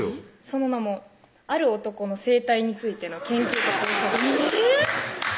その名もある男の生態についての研究と考えぇっ！